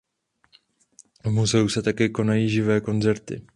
V muzeu se také konají živé koncerty.